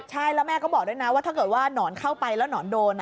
ใช่แล้วแม่ก็บอกด้วยนะว่าถ้าเกิดว่าหนอนเข้าไปแล้วหนอนโดน